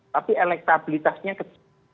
tapi elektabilitasnya kecil